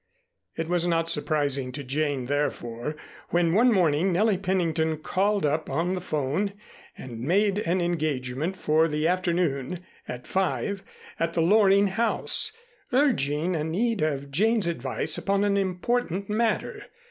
It was not surprising to Jane, therefore, when one morning Nellie Pennington called up on the 'phone and made an engagement for the afternoon at five, at the Loring house, urging a need of Jane's advice upon an important matter.